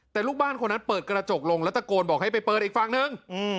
แต่ลูกบ้านคนนั้นเปิดกระจกลงแล้วตะโกนบอกให้ไปเปิดอีกฝั่งนึง